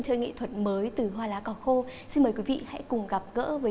chào thu hà chào quý vị và các bạn